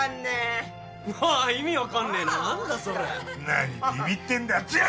何ビビってんだ剛！